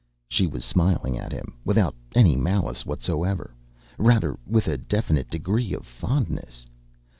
She was smiling at him without any malice whatsoever; rather, with a definite degree of fondness.